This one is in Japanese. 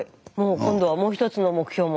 今度はもう一つの目標も。